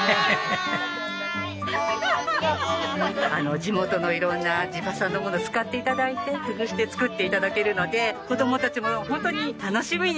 地元の色んな地場産のものを使って頂いて工夫して作って頂けるので子供たちもホントに楽しみにしています。